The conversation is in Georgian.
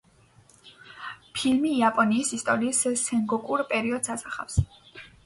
ფილმი იაპონიის ისტორიის სენგოკუს პერიოდს ასახავს.